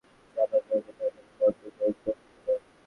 মঙ্গলবার এদের ভর্তির কাজ শেষে জানা যাবে তাদের কতজন ভর্তি হলো।